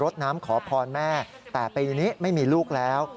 แต่ปีนี้ไม่มีลูกแล้ว